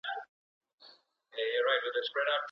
پاکوالی د ایمان برخه ده؟